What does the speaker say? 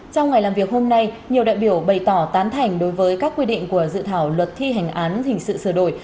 trong ngày làm việc hôm nay nhiều đại biểu bày tỏ tán thành đối với các quy định của dự thảo luật thi hành án hình sự sửa đổi